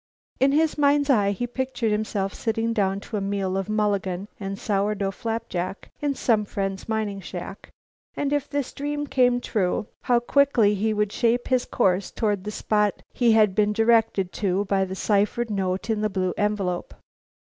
In his mind's eye he pictured himself sitting down to a meal of "mulligan" and sourdough flapjack in some friend's mining shack, and, if this dream came true, how quickly he would shape his course toward the spot he had been directed to by the ciphered note in the blue envelope!